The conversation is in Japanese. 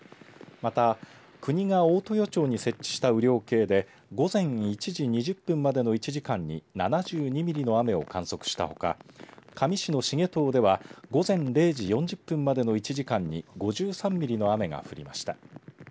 また国が大豊町に設置した雨量計で午前１時２０分までの１時間に７２ミリの雨を観測したほか香美市の繁藤では午前０時４０分までの１時間に５３ミリの雨が降りました。